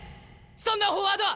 そんなフォワード